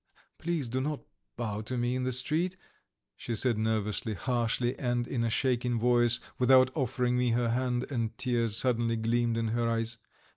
"Please do not bow to me in the street," she said nervously, harshly, and in a shaking voice, without offering me her hand, and tears suddenly gleamed in her eyes.